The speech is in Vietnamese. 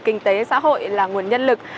kinh tế xã hội là nguồn nhân lực